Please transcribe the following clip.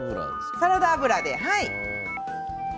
サラダ油で、はい。